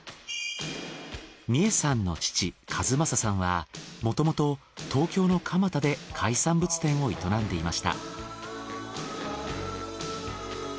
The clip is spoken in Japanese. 三恵さんの父一正さんはもともと東京の蒲田で海産物店を営んでいました。